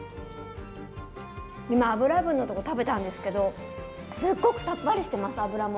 今脂分のとこ食べたんですけどすっごくさっぱりしてます脂も。